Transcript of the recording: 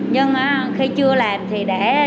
nhưng khi chưa làm thì đã